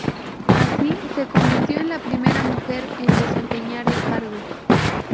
Así, se convirtió en la primera mujer en desempeñar el cargo.